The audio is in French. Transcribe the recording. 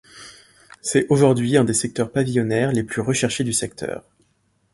C'est aujourd'hui un des secteurs pavillonnaires les plus recherchés du secteur.